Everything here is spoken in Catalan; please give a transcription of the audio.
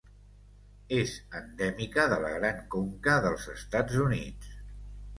És endèmica de la Gran Conca dels Estats Units.